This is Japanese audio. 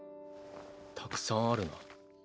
たくさんあるな。